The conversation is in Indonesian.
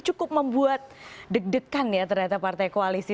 cukup membuat deg degan ya ternyata partai koalisi